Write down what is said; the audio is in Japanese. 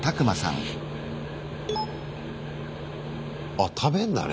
あ食べんだね